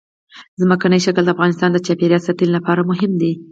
ځمکنی شکل د افغانستان د چاپیریال ساتنې لپاره مهم دي.